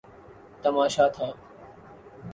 تماشا تھا۔